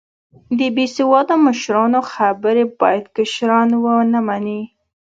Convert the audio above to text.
د بیسیواده مشرانو خبرې باید کشران و نه منې